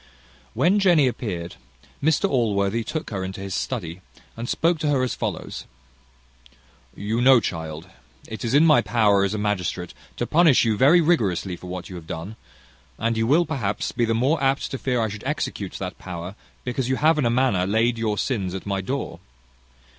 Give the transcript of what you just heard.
When Jenny appeared, Mr Allworthy took her into his study, and spoke to her as follows: "You know, child, it is in my power as a magistrate, to punish you very rigorously for what you have done; and you will, perhaps, be the more apt to fear I should execute that power, because you have in a manner laid your sins at my door.